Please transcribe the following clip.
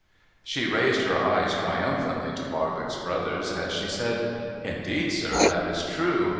Slie raised her eyes triumj)hantly to Barbox Brothers as she said :' Indeed, sir, that is true.